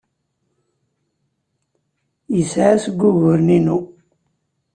Yeɛya seg wuguren-inu.